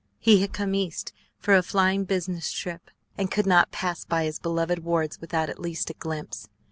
He had come East for a flying business trip, and could not pass by his beloved wards without at least a glimpse.